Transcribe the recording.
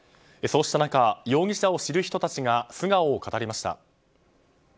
そうした中容疑者を知る人たちが素顔を語りました。